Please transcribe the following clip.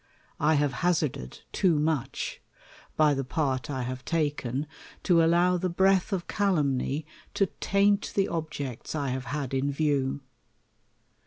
1 have hazarded too much, by the part I have taken, to allow the breath of calumny to taint the obji 'cts I have had in view.